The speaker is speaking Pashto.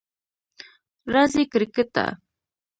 راځئ کریکټ ته!